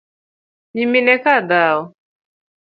Nyimine ka dhao?